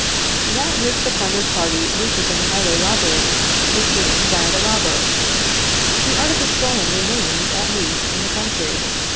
That which the plundered party loses in highway robbery is gained by the robber. The article stolen remains, at least, in the country.